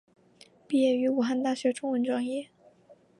毕业于武汉大学中文专业。